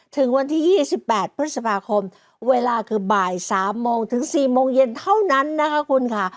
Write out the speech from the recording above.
ถึงวันที่๒๘พฤษภาคมเวลาคือบ่าย๓โมงถึง๔โมงเย็นเท่านั้นนะคะคุณค่ะ